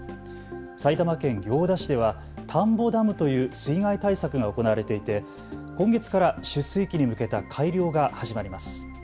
埼玉県行田市では田んぼダムという水害対策が行われていて今月から出水期に向けた改良が始まります。